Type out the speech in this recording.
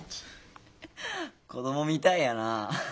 子供みたいやな。